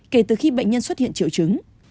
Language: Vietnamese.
kể từ khi bệnh nhân xuất hiện triệu chứng